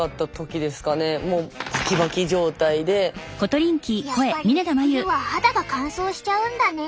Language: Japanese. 私もやっぱり冬は肌が乾燥しちゃうんだね。